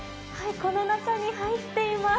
この中に入っています。